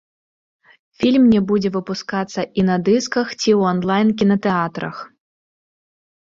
Фільм не будзе выпускацца і на дысках ці ў анлайн-кінатэатрах.